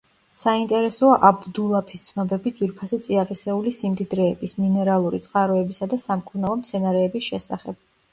საინტერესოა აბუ დულაფის ცნობები ძვირფასი წიაღისეული სიმდიდრეების, მინერალური წყაროებისა და სამკურნალო მცენარეების შესახებ.